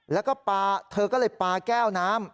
แล้วก็เธอก็เลยปลาแก้วน้ำ